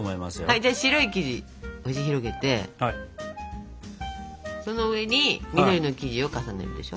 じゃあ白い生地押し広げてその上に緑の生地を重ねるでしょ？